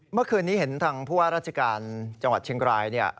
เมื่อคืนนี้เห็นทางพวกราชการจังหวัดเชียงกราย